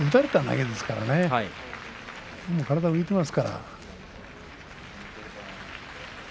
体が浮いています。